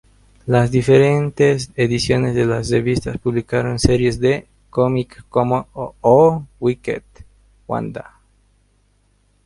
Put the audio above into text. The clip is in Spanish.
Las diferentes ediciones de la revista publicaron series de cómic como "Oh, Wicked Wanda!